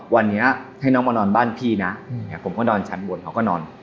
วันนี้ให้น้องมานอนบ้านพี่นะผมก็นอนชั้นบนเขาก็นอน